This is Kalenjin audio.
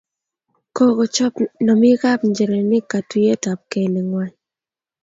Kokochop nomikap njirenik katuiyeyabkei nengwai